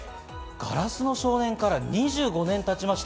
『硝子の少年』から２５年経ちました。